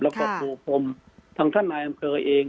แล้วก็ครูพรมท่านท่านอาหารเคยเอง